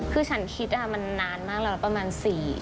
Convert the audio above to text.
คือฉันคิดมันนานมากแล้วประมาณ๔